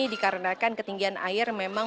dikarenakan ketinggian air memang